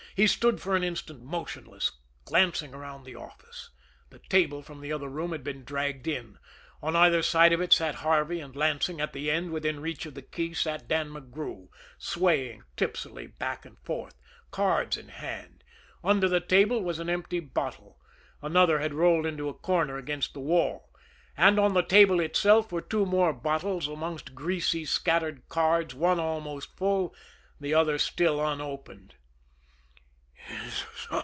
He stood for an instant motionless, glancing around the office; the table from the other room had been dragged in; on either side of it sat Harvey and Lansing; at the end, within reach of the key, sat Dan McGrew, swaying tipsily back and forth, cards in hand; under the table was an empty bottle, another had rolled into a corner against the wall; and on the table itself were two more bottles amongst greasy, scattered cards, one almost full, the other still unopened.